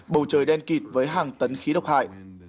bầu trời đen kịt với hàng tấn khí độc hại